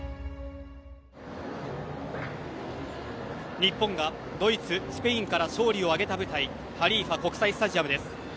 日本がドイツ、スペインから勝利を挙げた舞台ハリーファ国際スタジアムです。